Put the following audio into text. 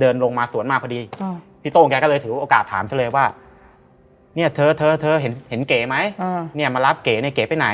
เดินลงมาสวนมาพอดีพี่โต้งแกก็เลยถือโอกาสถามเธอเลยว่าเนี่ยเธอเธอเห็นเก๋ไหมเนี่ยมารับเก๋เนี่ยเก๋ไปไหน